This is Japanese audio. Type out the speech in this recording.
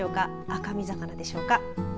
赤身魚でしょうか。